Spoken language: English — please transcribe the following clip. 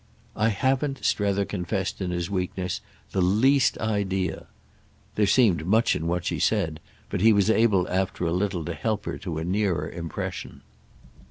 "I haven't," Strether confessed in his weakness, "the least idea." There seemed much in what she said, but he was able after a little to help her to a nearer impression.